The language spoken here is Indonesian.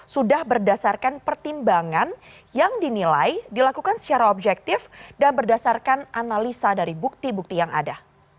sudah berdasarkan pertimbangan yang dinilai dilakukan secara objektif dan berdasarkan analisa dari bukti bukti yang ada